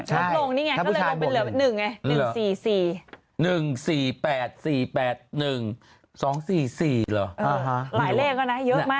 ใช่ถ้าผู้ชายบ่งหนึ่งแล้วตรงนี่ไงเขาเลยลบเป็นเหลือ๑ไง